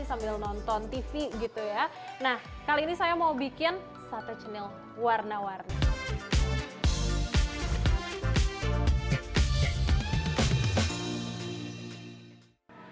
sambil nonton tv gitu ya nah kali ini saya mau bikin sate cemil warna warni